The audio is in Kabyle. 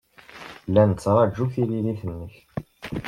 La nettṛaju tiririt-nnek.